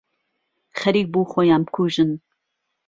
خەریک بوو خۆیان بکوژن.